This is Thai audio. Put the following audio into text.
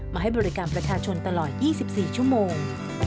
ให้บริการประชาชนตลอด๒๔ชั่วโมง